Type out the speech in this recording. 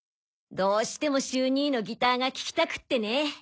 どうしても秀兄のギターが聴きたくってね！